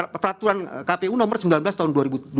peraturan kpu nomor sembilan belas tahun dua ribu dua puluh